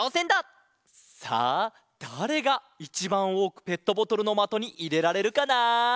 さあだれがいちばんおおくペットボトルのまとにいれられるかな？